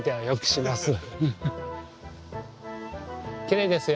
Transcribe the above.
きれいですよ。